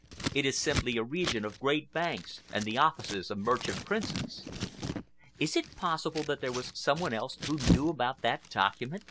It is simply a region of great banks and the offices of merchant princes. "Is it possible that there is some one else who knew about that document?"